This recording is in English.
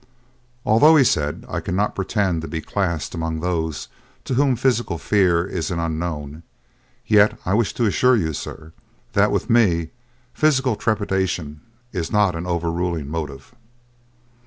"Although," he said, "I cannot pretend to be classed among those to whom physical fear is an unknown, yet I wish to assure you, sir, that with me physical trepidation is not an overruling motive."